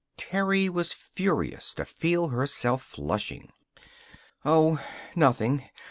Terry was furious to feel herself flushing. "Oh, nothing.